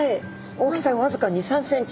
大きさわずか２３ｃｍ。